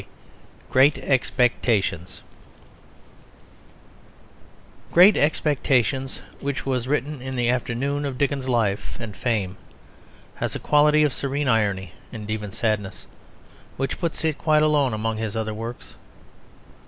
] GREAT EXPECTATIONS Great Expectations, which was written in the afternoon of Dickens's life and fame, has a quality of serene irony and even sadness, which puts it quite alone among his other works.